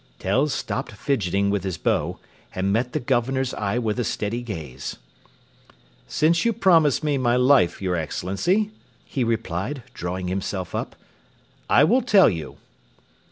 Tell stopped fidgeting with his bow, and met the Governor's eye with a steady gaze. "Since you promise me my life, your Excellency," he replied, drawing himself up, "I will tell you."